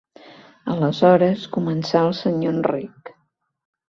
Aleshores començà el senyor Enric.